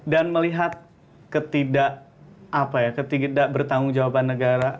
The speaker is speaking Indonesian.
dan melihat ketidak bertanggung jawaban negara